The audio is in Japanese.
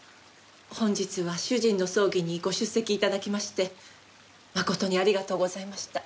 本日は主人の葬儀にご出席頂きまして誠にありがとうございました。